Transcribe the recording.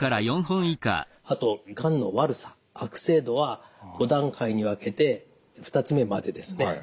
あとがんの悪さ悪性度は５段階に分けて２つ目までですね。